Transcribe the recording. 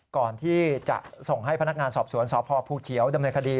ก่อนที่จะส่งให้พนักงานสอบสวนสพภูเขียวดำเนินคดี